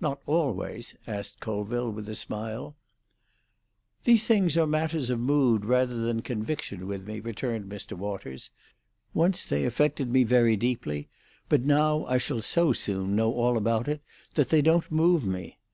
"Not always?" asked Colville, with a smile. "These things are matters of mood rather than conviction with me," returned Mr. Waters. "Once they affected me very deeply; but now I shall so soon know all about it that they don't move me.